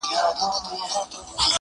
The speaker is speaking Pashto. کښته پورته یې ځغستله لاندي باندي؛